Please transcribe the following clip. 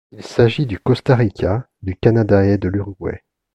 Il s'agit du Costa Rica, du Canadaet de l'Uruguay.